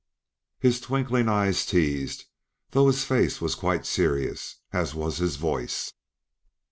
his twinkling eyes teased, though his face was quite serious, as was his voice.